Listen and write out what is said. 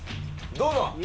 どうぞ！